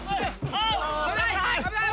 危ない！